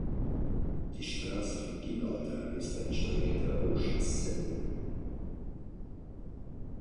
Die Straße von Gibraltar ist eine Strecke der Ocean’s Seven